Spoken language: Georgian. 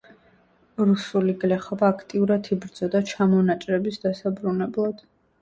რუსული გლეხობა აქტიურად იბრძოდა ჩამონაჭრების დასაბრუნებლად.